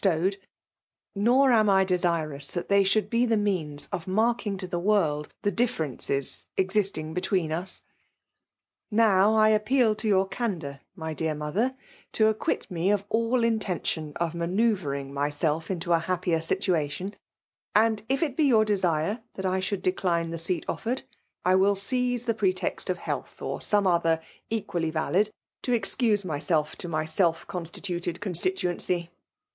stowed; nor am I desirous that ibey riioald be the means of marking to the world the differences existing between us. " Now« I appeal to yonr candour^ my dear mother^ to acquit me of all intention of ma* nceuyring myself into a happier situation; and if it be your desire that I should decline the seat offered> I will seize the pretext df health, or some other equally valid, to excuse myself, to my self constituted constituency.